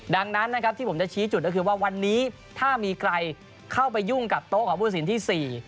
ดังนั้นนะครับที่ผมจะชี้จุดก็คือว่าวันนี้ถ้ามีใครเข้าไปยุ่งกับโต๊ะของผู้สินที่๔